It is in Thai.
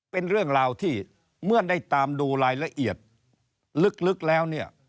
เป็นเรื่องราวที่เมื่อได้ตามดูรายละเอียดลึกแล้วเนี่ย